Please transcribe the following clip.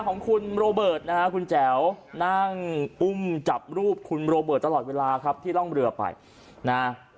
ของคุณโรเบิร์ตนะฮะคุณแจ๋วนั่งอุ้มจับรูปคุณโรเบิร์ตตลอดเวลาครับที่ร่องเรือไปนะ